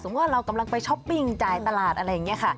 ว่าเรากำลังไปช้อปปิ้งจ่ายตลาดอะไรอย่างนี้ค่ะ